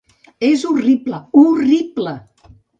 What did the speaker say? És horrible, horrible!